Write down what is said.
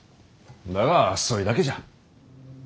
だがそいだけじゃ。